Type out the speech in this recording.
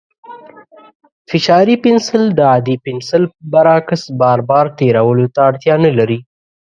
فشاري پنسل د عادي پنسل برعکس، بار بار تېرولو ته اړتیا نه لري.